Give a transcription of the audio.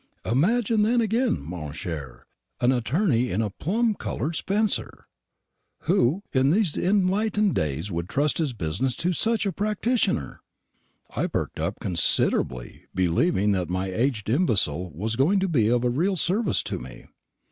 Imagine then again, mon cher, an attorney in a plum coloured spencer! Who, in these enlightened days, would trust his business to such a practitioner? I perked up considerably, believing that my aged imbecile was going to be of real service to me.